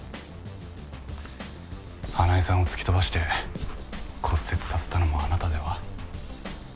花恵さんを突き飛ばして骨折させたのもあなたでは？